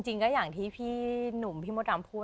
จริงก็อย่างที่พี่หนุ่มพี่ม